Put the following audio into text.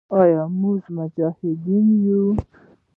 آیا موږ مجاهدین یو؟